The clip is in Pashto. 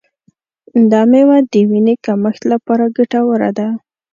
دا میوه د وینې کمښت لپاره ګټوره ده.